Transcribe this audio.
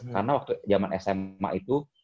karena waktu jaman sma itu